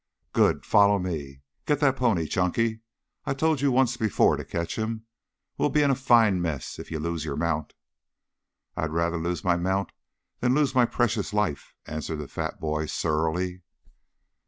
"Good. Follow me. Get that pony, Chunky. I told you once before to catch him. We'll be in a fine mess if you lose your mount." "I'd rather lose my mount than to lose my precious life," answered the fat boy surlily.